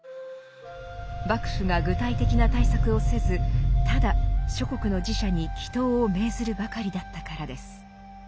幕府が具体的な対策をせずただ諸国の寺社に祈祷を命ずるばかりだったからです。